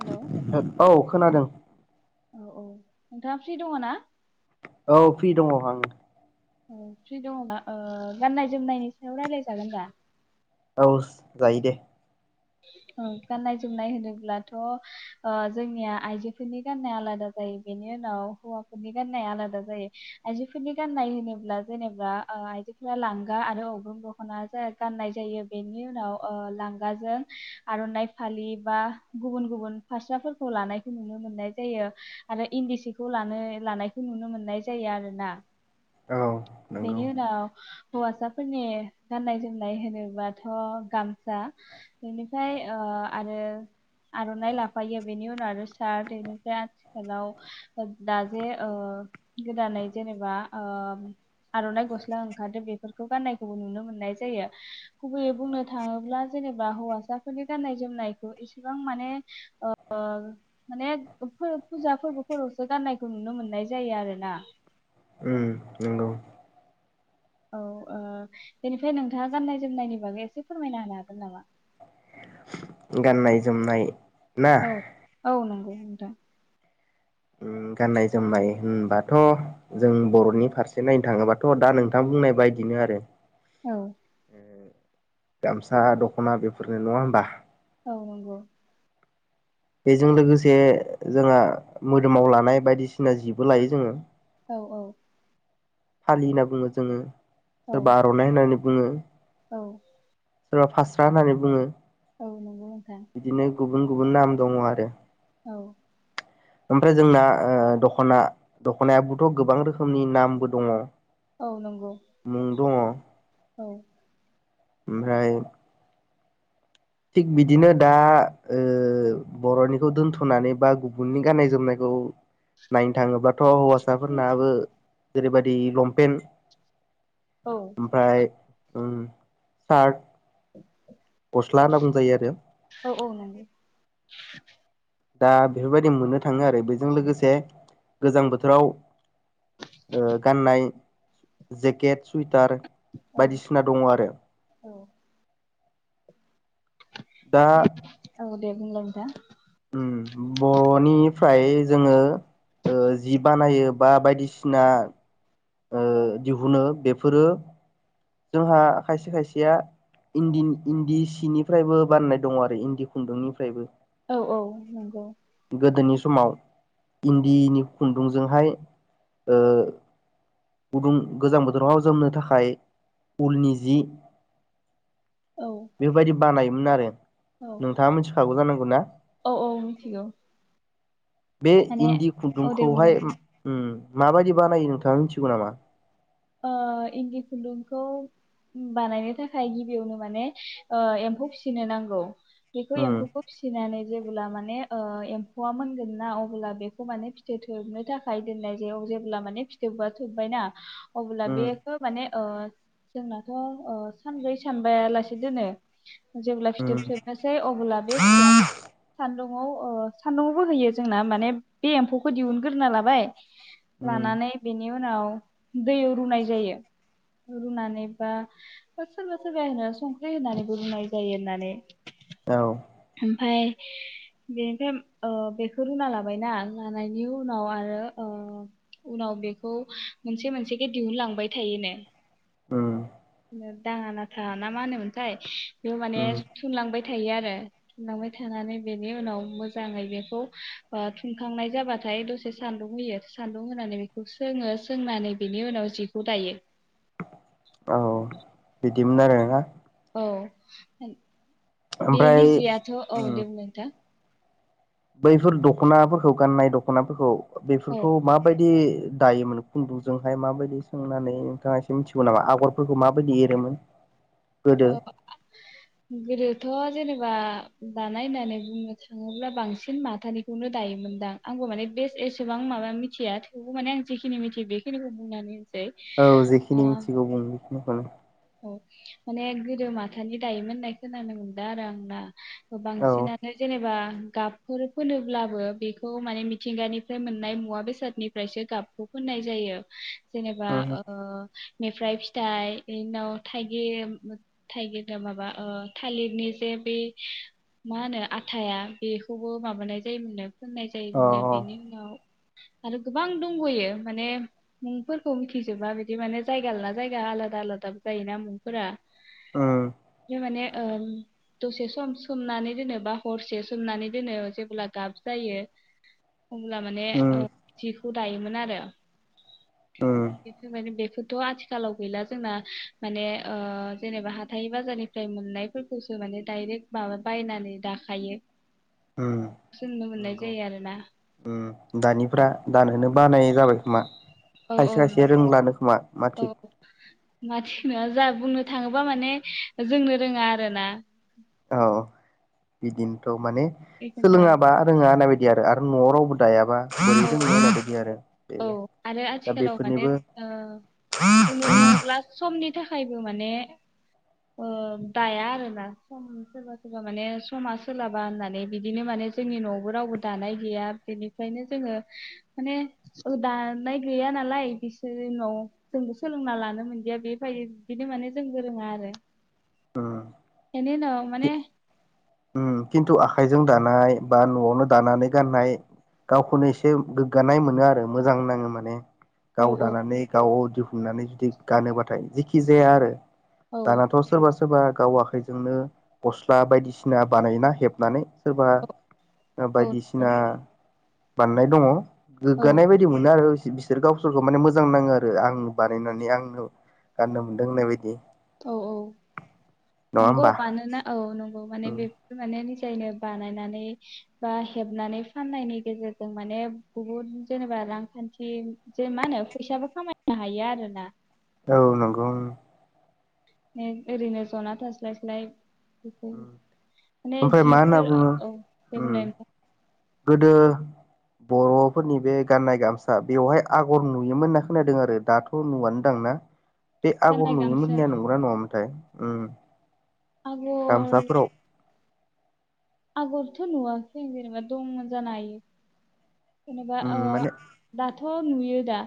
Hello औ खोनादों औ औ नोंथाङा फ्रि दङ ना औ फ्रि दङ आं औ फ्रि दङबा गाननाय जोमनायनि सायाव रायलायजागोन दा औ जायो दे गाननाय जोमनाय होनोब्लाथ' जोंनिया आइजोफोरनि गाननाया आलादा जायो बेनि उनाव हौवाफोरनि गाननाया आलादा जायो आइजोफोरनि गाननाय होनोब्ला जेनेबा आइजोफोरा लांगा आरो अग्रोम दख'ना गाननाय जायो बेनि उनाव लांगाजों आर'नाइ फालि बा गुबुन गुबुन फास्राफोरखौ लानायखौ नुनो मोननाय जायो आरो इन्दि सिखौ लानो लानायखौ नुनो मोननाय जायो आरो ना औ नंगौ बेनि उनाव हौवासाफोरनि गाननाय जोमनाय होनोबाथ' गामसा बेनिफ्राय आरो आर'नाइ लाफायो बेनि उनाव आरो सार्ट बेनिफ्राय आथिखालाव दा जे गोदानै जेनेबा आर'नाइ गस्ला ओंखारदो बेफोर खौ गाननायखौबो नुनो मोननाय जायो गुबैयै बुंनो थाङोब्ला जेनेबा हौवासाफोरनि गाननाय जोमनायखौ इसेबां माने माने फुजा फोरबोफोरावसो गाननायखौ नुनो मोननाय जायो आरोना उम नंगौ औ बेनिफ्राय नोंथाङा गाननाय जोमनायनि बागै एसे फोरमायना होनो हागोन नामा? गाननाय जोमनाय ना औ औ नंगौ दा गाननाय जोमनाय होनबाथ' जों बर'नि फारसे नायनो थाङोबाथ' दा नोंथां बुंनाय बायदिनो आरो औ गामसा दख'ना बेफोरनो नङा होमबा? औ नंगौ बेजों लोगोसे जोंहा मोदोमाव लानाय बायदिसिना जिबो लायो जोङो औ औ फालि होनना बुङो जोङो औ सोरबा आर'नाइ होननानै बुङो औ सोरबा फास्रा होननानै बुङो औ नंगौ नोंथां। बिदिनो गुबुन गुबुन नाम दङ आरो। औ। ओमफ्राय जोंना दख'ना दख'नायाबोथ' गोबां रोखोमनि नामबो दङ। औ नंगौ। मुं [inaudible] औ। ओमफ्राय थिग बिदिनो दा बर'निखौ दोनथ'नानै बा गुबुननि गाननाय जोमनायखौ नायनो थाङोब्ला गथ' हौवासाफोरनाबो जेरैबायाददि लंपेन्ट औ ओमफाय उम सार्थ [inaudible] गस्ला होनना बुंजायो आरो। औ औ नंगौ। दा बेफोरबायदि मोननो थाङो आरो बेजों लोगोसे गोजां बोथोराव गाननाय जेकेट सुइटार औ बायदिसिना दङ आरो। औ दा बे औ। दे बुंल नोंथां। बर'निफ्राय जोङो जि बानायो बा बायदिसिना ओ दिहुनो बेफोरो जोंहा खायसे खायसेया इन्दि इन्दि सिनिफ्रायबो बानायनाय दङ आरो इन्दि खुन्दुंनिफ्रायबो औ औ नंगौ। गोदोनि समाव इन्दिनि खुन्दुंजोंहाय गोजां बोथोराव जोमनो थाखाय उलनि जि औ बेफोरबायदि। बानायोमोन आरो। औ नोंथाङा मिथिखागौ जानांगौ ना? औ औ मिथिगौ बे माने इन्दि औ दे बुंलाय खुन्दुंखौहाय नोंथां उम। माबायदि बानायो नोंथाङा मिथिगौ नामा? इन्दि खुन्दुंखौ बानायनो थाखाय गिबियावनो माने एम्फौ फिसिनो नांगौ। बेखौ उम एम्फौखौ फिसिनानै जेब्ला माने एम्फौआ मोनगोन ना अब्ला बेखौ माने फिथोब थोबनो थाखाय दोननाय जायो जेब्ला माने फिथोबा थोबबायना अब्ला उम बेखौ माने जोंनाथ' सानब्रै सानबायायालासे दोनो। जेब्ला उम फिथोब थोबनोसै अब्ला बे फिथोब सान्दुं [unintelligible] ओ सान्दुङावबो होयो जोंना माने बे एम्फौखौ दिहुनग्रोना लाबाय उम लानानै बेनि उनाव दैयाव रुनाय जायो। रुनानै बा सोरबा सोरबा होनो संख्रि होनानैबो रुनाय जायो होननानै। औ ओमफाय बेनिफ्राय ओ बेखौ रुना लाबायना लानायनि उनाव आरो ओ उनाव बेखौ मोनसे मोनसेखे दिहुनलांबाय थायोनो उम दाङा नाथा ना मा होनोमोनथाय बे माने उम सुनलांबाय बाय थायो आरो थुनलांबाय थानानै बेनि उनाव मोजाङै बेखौ ओ थुनखांनाय जाबाथाय दसे सान्दुं होयो। सान्दुं होनानै बेखौ सोङो। सोंनानै बेनि उनाव जिखौ दायो। औ बि [unintelligible] [unintelligible] ना औ ओमफ्राय बेनि जिआथ' औ उम दे बुंनाय नोंथा बैफोर दख'नाफोरखौ गाननाय दख'नाफोरखौ औ बेफोरखौ माबायदि दायोमोन खुन्दुंजोंहाय माबायदि सोंनानै नोंथाङा एसे मिथिगौ नामा आगरफोरखौ माबायदि एरोमोन? अ गोदो गोदोथ' जेनेबा दानाय होननानै बुंनो थाङोब्ला बांसिन माथानिखौनो दायोमोनदां। आंबो माने बेस्ट एसेबां माबा मिथिया थेवबो माने आं जेखिनि मिथियो बेखिनिखौ बुंनानै होनसै औ जेखिनि अ, मिथिगौ बुं [unintelligible] औ माने गोदो माथानि दायोमोन होननाय खोनानो मोनदों आरो आंना औ बांसिनानो जेनेबा गाबफोर फोनोब्लाबो बेखौ माने मिथिंगानिफ्राय मोननाय मुवा बेसादनिफ्रायसो गाबखौ फोननाय जायो। जेनेबा उम ओ मेफ्राय फिथाइ बेनि उनाव थाइगिर थाइगिरनो माबा ओ थालिरनि जे बे मा होनो आथाया बेखौबो माबानाय जायोमोननो। फोननाय अ जायोमोननो। बेनि अ उनाव आरो गोबां दंब'यो माने मुंफोरखौ मिथिजोबा बिदि माने जायगा लाना जायगा आलादा आलादा दा जायोना मुंफोरा ओ माने‌ ओ दसे सम सोमनानै दोनो बा हरसे सोमनानै दोनो। जेब्ला गाब जायो अब्ला माने उम ओ जि दायोमोन आरो उम बेखो माने बेफोद थ' आथिखालाव गैला जोंना माने ओ जेनेबा हाथाइ बाजारनिफ्राय मोननायफोरखौसो माने डाइरेक्ट माबा बायनानै दाखायो। ओ सो नुनो मोननाय नंगौ जायो आरोना ओ दानिफ्रा दान होनो। बानाय जाबाय खोमा। औ औ खायसे खायसे नंगौ रोंल्लानो खोमा मा थिग। मा थिखना जा बुंनो थाङोब्ला माने जोंनो रोङा आरो ना। औ। बिदिन थग। माने बेखौनथ' सोलोङाबा रोङा ओननाय बायदि। आरो न'आव रावबो थायाबा। बेबो औ दोंङो ओननाय औ बादि आरो औ बेबो आरो दा आथिखालाव माने बेफोरनिबो ओ उम। बेनि थाखायबो माने ओ दाया आरोना सम सोरबा सोरबा माने समा सोलाबा होननानै बिदिनो माने जोंनि न'आवबो रावबो दानाय गैया बेनिफ्रायनो। जोङो माने ओ दानाय गैया नालाय बिसोर न' जोंबो सोलोंना लानो मोनदिया बे बाय बिनो माने जों गोरोङा आरो। एनि उनआव माने। ओ खिन्थु आखाइजों दानाय बा न'आवनो दानानै गाननाय गावखौनो एसे गोग्गानाय मोनो आरो मोजां नाङो माने। औ गाव औ दानानै गाव। दिुहुननानै जुदि गानोबाथाय जेखि जाया आरो। औ दनाथ' सोरबा-सोर। सोरबा गाव आखायजोंनो गस्ला बायदिसि ना बानायना हेबनानै। सोरबा आ औ बायदिसिना। बाननाय दङ। औ गोग्गानाय बायदि मोनो आरो। बिसोर गावसोरखौ माने मोजां नाङो आरो आं बानायनानै आंनो गाननो मोनदों होननाय बायदि। औ औ नङा नंगौ होमबा मानोना औ नंगौ। माने बेफोर माने। निजायनो बानायनानै बा हेबनानै फाननायनि गेजेरजों माने बुहुद जेनेबा रांखान्थि जे मा होनो फैसाबो खामायनो हायो आरोना। औ नंगौ उम। नों ओरैनो जना थास्लायस्लाय। माने ओमफ्राय मा जिब होनना फोर बुङो औ दे उम बुंलाय नोंङो। गोदो बर'फोरनि बे गाननाय गामसा बेवहाय आगर नुयोमोन होनना खोनादों आरो दाथ' नुआनो दां ना। बे आगर गाननाय नुयोमोन गामसा होननाया नंगौ ना नङामोन। नाथाय ओ। आगर। आगरथ' नुवाखै जेनेबा दंमोन जानो हायो। जेनेबा उम ओ माने दाथ'। नुयो दा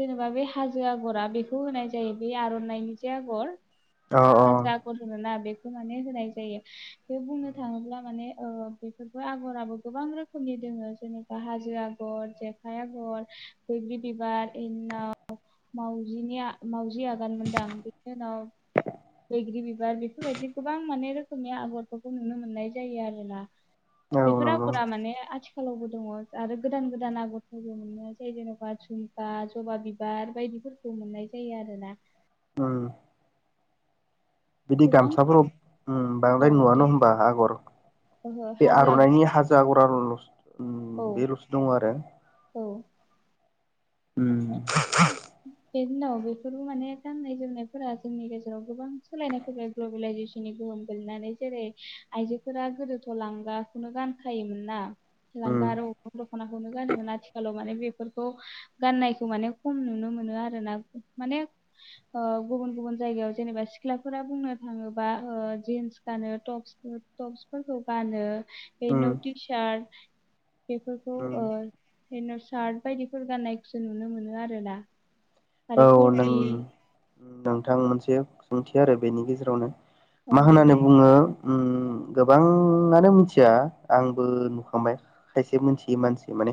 जेनेबा बे हाजो आग'रा बेखौ होनाय जायो बे आर'नाइनि जे आगर। अ अ हाजो आगर होनोना? बे खौ माने होनाय जायो। बे बुंनो थाङोब्ला माने औ बेफोरबो आगराबो गोबां रोखोमनि दोङो जेनेबा हाजो आगर, जेखाइ आगर, बैग्रि बिबार, बेनि उनाव मावजिनि मावजि आगान मोनदां बेनि उनाव बैग्रि बिबार बेफोरबायदि गोबां माने रोखोमनि आगरफोरखौ नुनो मोननाय जायो आरोना। औ बेफोर नंगौ आगरा माने आथि खालावबो दङ। आरो गोदान गोदान आगरफोरबो मोनो जै जेन'बा जुमखा जबा बिबार बायदिफोरखौ मोननाय जायो आरोना। उम। बिदि गोबां गामसाफोराव उम औ बांद्राय दे नुवानो होनबा आगर ओहो बे हाजो आगर आर'नाइनि हाजो आगर उम औ बेल'सो दङ आरो। औ उम। बे दिनाव बेफोरबो माने गाननाय जोमनायफोरा जोंनि गेजेराव गोबां सोलायनाय फैबाय ग्लबेलाइजेसननि गोहोम गोलैनानै जेरै आइजोफोरा गोदोथ' लांगाखौनो गानखायोमोन ना? सि उम लांगा आरो अग्रं दख'नाखौनो गानोमोन आथिखालाव माने बे फोरखौ गाननायखौ माने खम नुनो मोनो आरोना। माने ओ गुबुन गुबुन जायगायाव जेनेबा सिख्लाफोरा बुंनो थाङोबा ओ जिन्स गानो टप्स टप्सफोरखौ गानो। बे उम नटि सार बेफोरखौ उम ओ जेन सार्ट बायदिफोर गान्नायखौसो नुनो मोनो आ रोना? औ नों नों थां मोनसे सोंथि आरो बेनि गेजेरावनो। मा औ दे होननानै बुं बुङो उम गोबाङानो मिथिया आंबो नुखांबाय खायसे मिथियै मानसि माने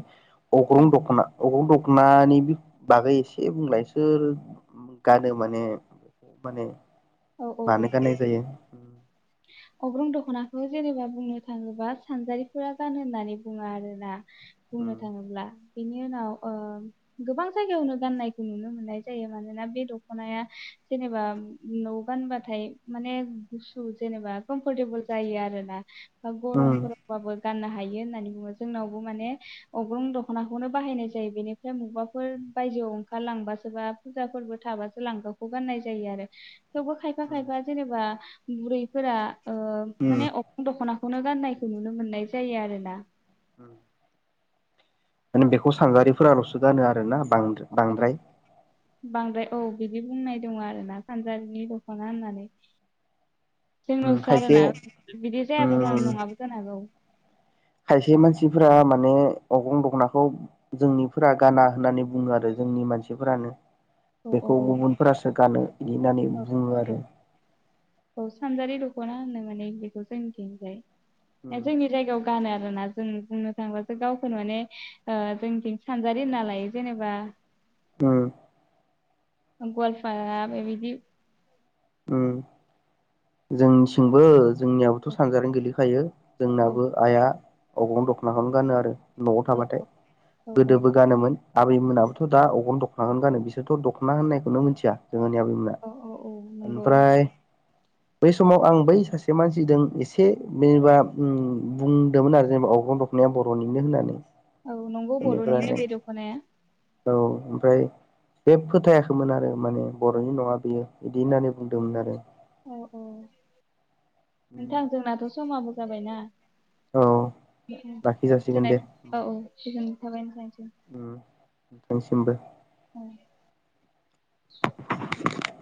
अग्रन उम, दख'ना अग्रन दख' नानि बि बागै एसे बुंलाय। सोर गानो माने माने औ औ मानो गाननाय जायो? उम। अग्रं दख'नाखौ जेनेबा बुंनो थाङोबा सानजारिफोरा गानो होननानै बुङो आरोना? बुंनो थाङोब्ला। बेनि उनाव ओ गोबां जायगायावनो गाननायखौ नुनो मोननाय जायो मानोना बे दख'नाया जेनेबा न'आव गानबाथाय माने गुसु जेनेबा कमफर्टेबोल जायो आरोना। उम गरमफोरबाबो गाननो हायो होननानै बुङो। जोंनावबो माने अग्रं दख'नाखौनो बाहायनाय जायो बेनिफ्राय मबाफोर बायजोआव ओंखार लांबासो बा फुजा फोरबो थाबासो लांगाखौ गाननाय जायो आरो। थेवबो खायफा उम खायफा जेनेबा बुरै फोरा ओ उम माने अग्रन दख'ना बेखौनो गाननायखौ नुनो मोननाय जायो आरोना उओम माने बेखौ सानजारिफोराल'सो गानो आरो ना बां बांद्राय बांद्राय औ बिदि बुंनाय दङ आरो ना फानजारिनि दख'ना होननानै जोंनावसो खायसे आरोना बिदि जायाबो ज उम नङाबो जानो हागौ खायसे मानसिफोरा माने अगं दखनाखौ जोंनिफोरा गाना होननानै बुङो आरो जोंनि मानसिफोरानो औ औ बेखौ औ गुबुनफोरासो गानो बिदि होननानै बुङो औ आरो औ सानजारि दख'ना होनो माने बेखौ जोंनिथिं जाय। ए उम जोंनि जायगायाव गानो आरो आरोना जों बुंनो थांबासो गावखौनो माने जोंथिं सानजारि होनना लायो जेनेबा उ गवलफाय बिदि उ जोंनिसिंबो जोंनियाबोथ' औ सानजारिनो गोलैखायो औ जोंनाबो आइआ अबेावं दख'नाखौनो गानो आरो न'आव औ थाबाथाय औ गोदोबो गानोमोन आबैमोनाबोथ' दा अगन दख'नाखौनो गानो बिसोरथ' दख'ना होननायखौनो मिथिया जोंङोनि आबैमोना औ औ औ नंगौ ओमफ्राय बै समाव आं बै सासे मानसिजों एसे जेनेबा ओ बुंदोंमोन आरो जेनेबा अवग्रं दखनाया बर'निनो होननानै औ नंगौ बेनिफ्राय बर'निनो बे दख'नाया औ ओमफ्राय बे फोथायाखैमोन आरो माने बर'नि नङा बियो बिदि होननानै बुंदोंमोन आरो औ औ नोंथां जोंनाथ' समाबो जाबायनाा औ लाखि ज जासिगोन दे होमबा औ औ हाब नोंांसिमबो उ